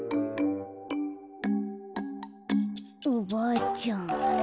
おばあちゃん。